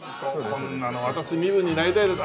こんなのを渡す身分になりたいです。